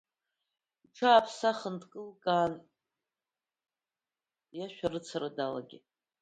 Иҽааиԥсахын, дкылкаан иашәарыцара далагеит.